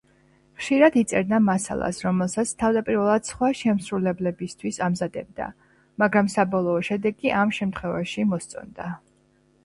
ხშირად იწერდა მასალას, რომელსაც თავდაპირველად სხვა შემსრულებლებისთვის ამზადებდა, მაგრამ საბოლოო შედეგი ამ შემთხვევაში მოსწონდა.